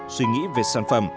suy nghĩ về sản phẩm